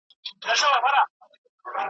پنډ اوربوز بدرنګه زامه یې لرله .